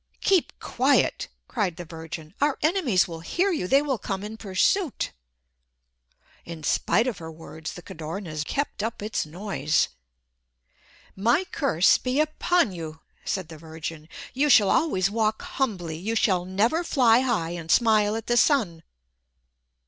"Keep quiet!" cried the Virgin. "Our enemies will hear you! They will come in pursuit!" In spite of her words the Codorniz kept up its noise. "My curse be upon you," said the Virgin. "You shall always walk humbly. You shall never fly high and smile at the sun."